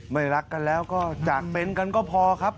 ไม่รักกันแล้วก็จากเป็นกันก็พอครับ